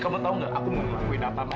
kamu tahu nggak aku mau ngelakuin apa maya